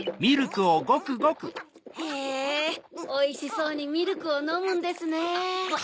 へぇおいしそうにミルクをのむんですね！